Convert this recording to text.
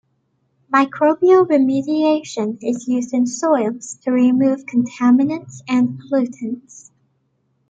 Microbial remediation is used in soils to remove contaminants and pollutants.